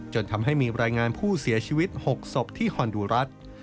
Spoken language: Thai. จนทำให้มีรายงานผู้เสียชีวิต๖ศพที่ฮอนดูรัฐ